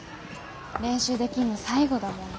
練習できんの最後だもんね。